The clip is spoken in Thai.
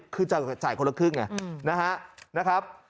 คือจ่ายคนละครึ่งไงนะครับ